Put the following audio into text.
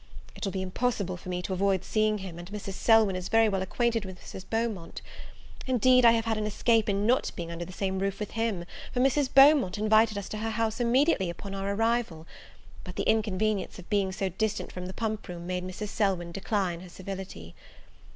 It will be impossible for me to avoid seeing him, as Mrs. Selwyn is very well acquainted with Mrs. Beaumont. Indeed, I have had an escape in not being under the same roof with him, for Mrs. Beaumont invited us to her house immediately upon our arrival; but the inconvenience of being so distant from the pump room made Mrs. Selwyn decline her civility.